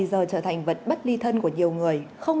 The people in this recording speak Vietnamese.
giờ trở thành công cụ phục vụ đắc lực cho người dân